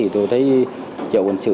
tôi thấy triệu quân sự